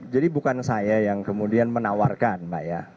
jadi bukan saya yang kemudian menawarkan mbak ya